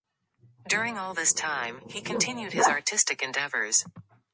During all this time, he continued his artistic endeavors.